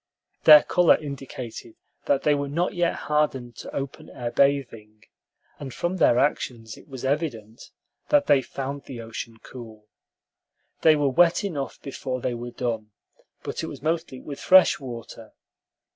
Their color indicated that they were not yet hardened to open air bathing, and from their actions it was evident that they found the ocean cool. They were wet enough before they were done, but it was mostly with fresh water.